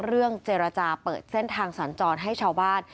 เรื่องเจรจาเปิดเส้นทางสัญจรให้ชาวบ้าน